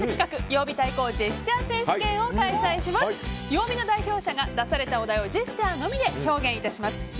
曜日の代表者が出されたお題をジェスチャーのみで表現します。